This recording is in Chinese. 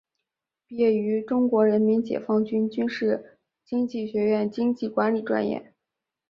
毕业于中国人民解放军军事经济学院经济管理专业。